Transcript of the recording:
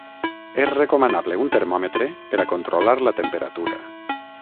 És recomanable un termòmetre per a controlar la temperatura.